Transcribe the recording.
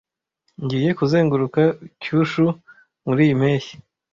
Ngiye kuzenguruka Kyushu muriyi mpeshyi.